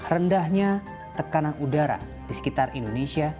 rendahnya tekanan udara di sekitar indonesia